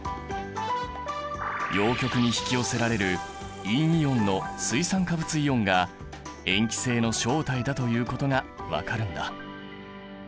陽極に引き寄せられる陰イオンの水酸化物イオンが塩基性の正体だということが分かるんだ。